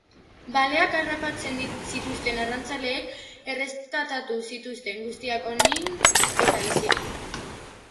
Baleak harrapatzen zituzten arrantzaleek erreskatatu zituzten, guztiak onik eta bizirik.